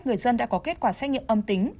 người dân đã có kết quả xét nghiệm âm tính